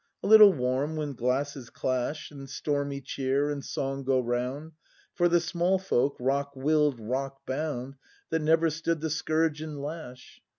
A little warm when glasses clash. And stormy cheer and song go round For the small Folk, rock will'd, rock bound. That never stood the scourge and lash.